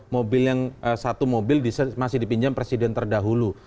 mobil yang satu mobil masih dipinjam presiden terdahulu